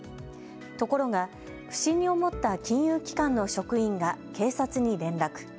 ところが不審に思った金融機関の職員が警察に連絡。